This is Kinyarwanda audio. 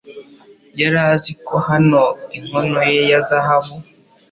Yari azi ko hano inkono ye ya zahabu